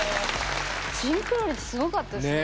シンクロ率すごかったですね。